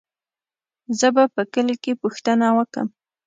زه به په کلي کې پوښتنه وکم.